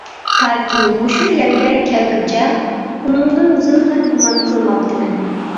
تاكى مۇشۇ يەرگە كەلگۈچە ئۇنىڭدىن زىنھار گۇمان قىلماپتىمەن.